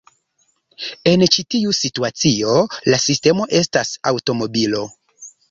En ĉi tiu situacio, la sistemo estas aŭtomobilo.